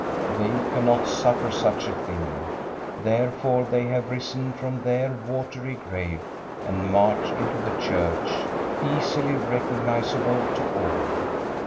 They cannot suffer such a thing. Therefore they have risen from their watery grave and march into the church, easily recognizable to all.